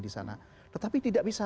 di sana tetapi tidak bisa